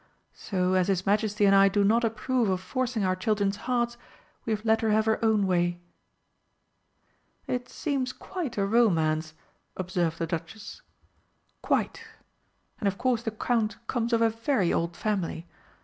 So as His Majesty and I do not approve of forcing our children's hearts, we have let her have her own way." "It seems quite a romance," observed the Duchess. "Quite. And of course the Count comes of a very old family.